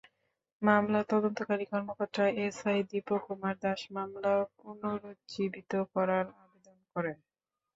মামলার তদন্তকারী কর্মকর্তা এসআই দীপক কুমার দাস মামলা পুনরুজ্জীবিত করার আবেদন করেন।